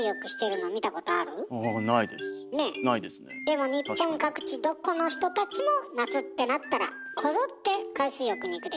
でも日本各地どこの人たちも夏ってなったらこぞって海水浴に行くでしょ？